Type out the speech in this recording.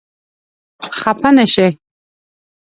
خپه نه شې.